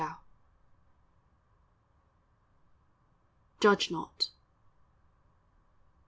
319 JUDGE NOT.